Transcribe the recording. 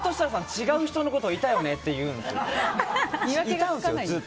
違う人のことをいたよねって言うんですよ。